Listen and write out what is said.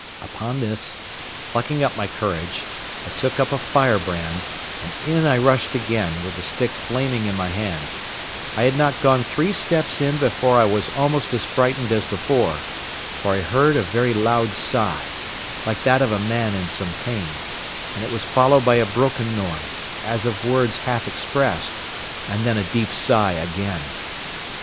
Upon this, plucking up my courage, I took up a firebrand, and in I rushed again, with the stick flaming in my hand: I had not gone three steps in before I was almost as frightened as before; for I heard a very loud sigh, like that of a man in some pain, and it was followed by a broken noise, as of words half expressed, and then a deep sigh again.